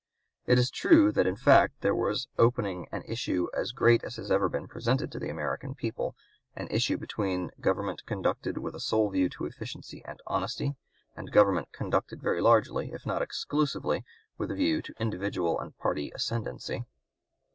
It is true that in fact there was opening an issue as great as has ever been presented to the American people, an issue between government conducted with a (p. 200) sole view to efficiency and honesty and government conducted very largely, if not exclusively, with a view to individual and party ascendency.